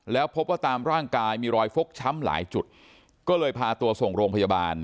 แล้วพบว่าตามร่างกายมีรอยฟกช้ำหลายจุดก็เลยพาตัวส่งโรงพยาบาล